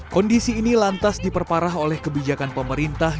kondisi ini lantas diperparah oleh kebijakan pemerintah